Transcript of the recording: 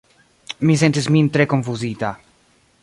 Mi sentis min tre konfuzita.